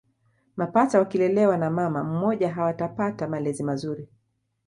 Mapacha wakilelewa na mama mmoja hawatapata malezi mazuri